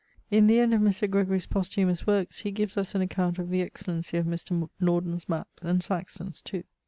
In the end of Mr. Gregorie's posthumous workes, he gives us an account of the excellency of Mr. Norden's mappes, and Saxton's too.